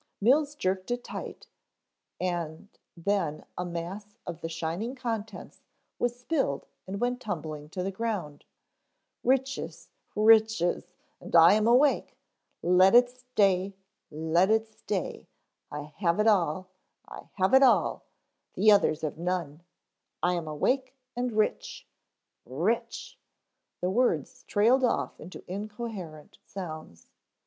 Mills jerked it tight and then a mass of the shining contents was spilled and went tumbling to the ground. "Riches, riches, and I am awake. Let it stay, let it stay I have it all. I have it all, the others have none I am awake and rich rich " The words trailed off into incoherent sounds.